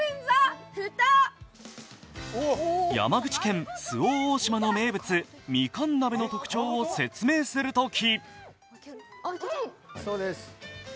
山口県周防大島の名物、みかん鍋の特徴を説明するとき。